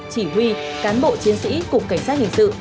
chỉ huy cán bộ chiến sĩ cục cảnh sát hình sự